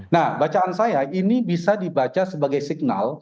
nah bacaan saya ini bisa dibaca sebagai signal